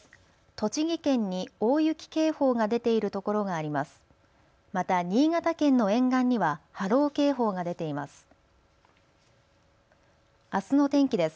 栃木県に大雪警報が出ている所があります。